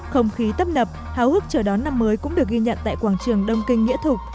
không khí tấp nập hào hức chờ đón năm mới cũng được ghi nhận tại quảng trường đông kinh nghĩa thục